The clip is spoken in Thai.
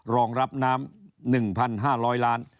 รองรับน้ำ๑๕๐๐ล้าน